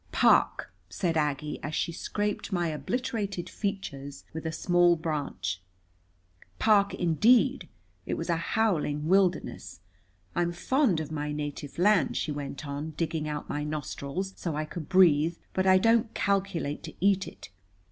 "Park!" said Aggie as she scraped my obliterated features with a small branch. "Park, indeed! It's a howling wilderness. I'm fond of my native land," she went on, digging out my nostrils, so I could breathe, "but I don't calculate to eat it.